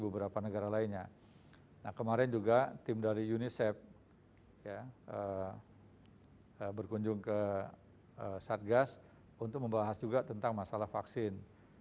berkunjung ke satgas untuk membahas juga tentang masalah vaksin